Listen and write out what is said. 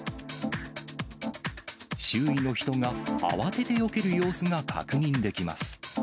周囲の人が慌ててよける様子が確認できます。